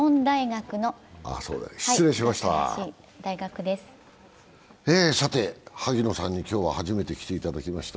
失礼しました。